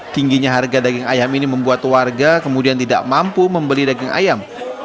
tingginya harga daging ayam ini membuat warga kemudian tidak mampu membeli daging ayam